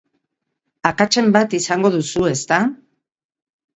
Akatsen bat izango duzu, ezta?